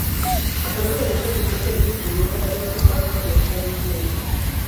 Aparentemente ocultó su origen judío para ser aceptado por el "establishment".